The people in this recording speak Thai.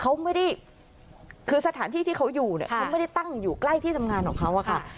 เขาไม่ได้คือสถานที่ที่เขาอยู่เนี่ยเขาไม่ได้ตั้งอยู่ใกล้ที่ทำงานของเขาอะค่ะ